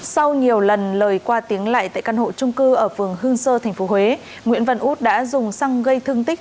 sau nhiều lần lời qua tiếng lại tại căn hộ trung cư ở phường hương sơ tp huế nguyễn văn út đã dùng xăng gây thương tích